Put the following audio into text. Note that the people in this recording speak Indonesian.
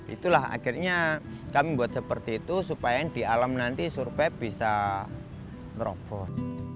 itulah akhirnya kami buat seperti itu supaya di alam nanti surpet bisa meroboh